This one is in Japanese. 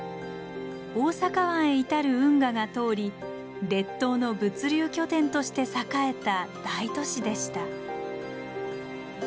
大阪湾へ至る運河が通り列島の物流拠点として栄えた大都市でした。